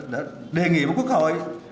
đã đề nghị quốc hội